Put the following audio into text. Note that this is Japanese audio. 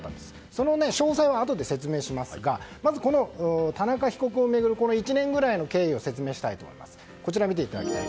その詳細はあとで説明しますがまず田中被告を巡る１年ぐらいの経緯を説明したいと思います。